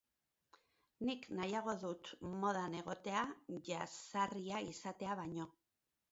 Nik nahiago dut modan egotea jazarria izatea baino.